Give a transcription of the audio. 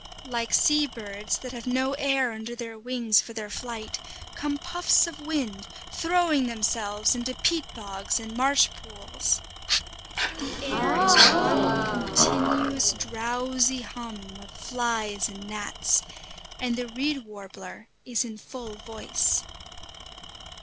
Like sea birds that have no air under their wings for their flight, come puffs of wind, throwing themselves into peat bogs and marsh pools. The air is one continuous drowsy hum of flies and gnats; and the reed warbler is in full voice.